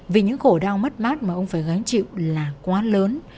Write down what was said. vì những khổ đau mất mát mà ông phải gánh chịu là quá lớn